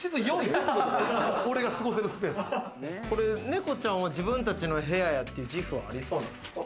ネコちゃんは自分たちの部屋やっていう自負はありそうなんですか？